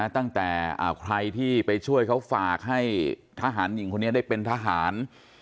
ตั้งแต่ใครที่ไปช่วยเขาฝากให้ทหารหญิงคนนี้ได้เป็นทหาร